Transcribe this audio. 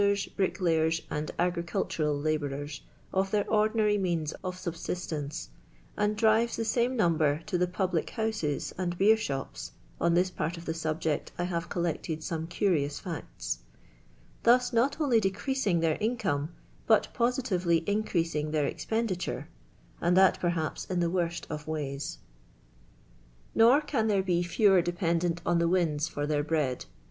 *, brick layers, and agricultural labourers, of their ordi nar}' means of subsistence, and drives the fame number to the pubiic honsos and beer shops ion this part of the subject I have collected some curious facts); thus not only decreasing their in come, but positively increasing their expenditure, and that, perhaps, in the worst of w.iys. Nor can there be fewer dependent on the winds for their bre.id.